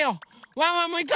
ワンワンもいく！